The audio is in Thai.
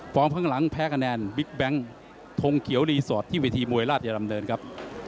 ข้างหลังแพ้คะแนนบิ๊กแบงค์ทงเขียวรีสอร์ทที่เวทีมวยราชดำเนินครับ